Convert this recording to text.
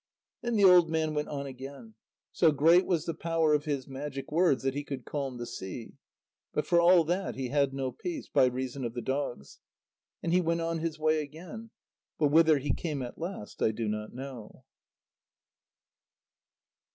Then the old man went on again. So great was the power of his magic words that he could calm the sea. But for all that he had no peace, by reason of the dogs. And he went on his way again, but whither he came at last I do not know.